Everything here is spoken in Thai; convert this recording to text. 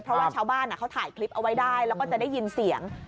เพราะว่าชาวบ้านเขาถ่ายคลิปเอาไว้ได้แล้วก็จะได้ยินเสียง